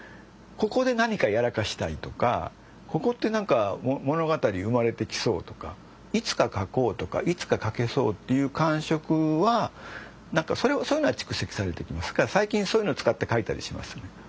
ここで何かやらかしたいとかここって何か物語生まれてきそうとかいつか書こうとかいつか書けそうという感触は何かそういうのは蓄積されてきますから最近そういうのを使って書いたりしますね。